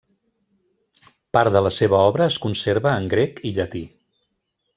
Part de la seva obra es conserva en grec i llatí.